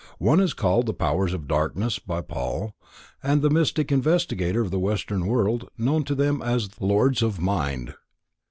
One is called the powers of darkness by Paul and the mystic investigator of the Western World knows them as Lords of Mind.